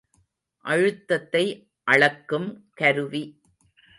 அழுத்தத்தை அளக்கும் கருவி.